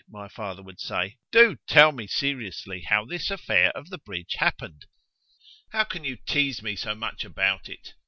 _ my father would say, do tell me seriously how this affair of the bridge happened.——How can you teaze me so much about it?